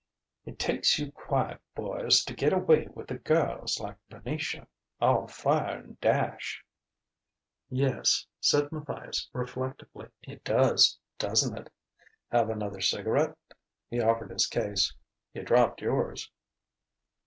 "It takes you quiet boys to get away with the girls like Venetia all fire and dash!" "Yes," said Matthias reflectively: "it does doesn't it? Have another cigarette?" He offered his case. "You dropped yours...."